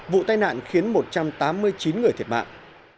vụ tai nạn khiến một trăm tám mươi chín người thiệt mạng